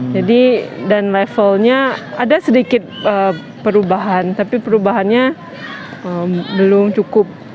jadi dan levelnya ada sedikit perubahan tapi perubahannya belum cukup